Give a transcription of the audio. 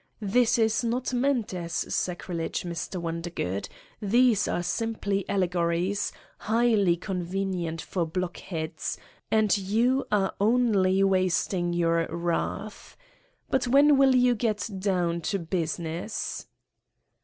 This is not meant as sacrilege,,, Mr. Wondergood. These are simply allegories, highly convenient for blockheads, and you are only wast ing your wrath. But when will you get down to business?"